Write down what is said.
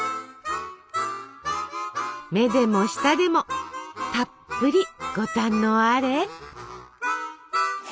目でも舌でもたっぷりご堪能あれ。